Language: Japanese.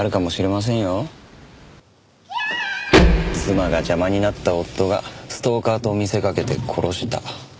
妻が邪魔になった夫がストーカーと見せかけて殺した。